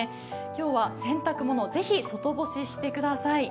今日は洗濯物、ぜひ外干ししてください。